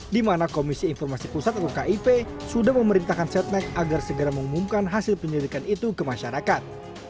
di mana komisi informasi pusat atau kip sudah memerintahkan setnek agar segera mengumumkan hasil penyelidikan itu ke masyarakat